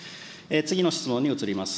次の質問に移ります。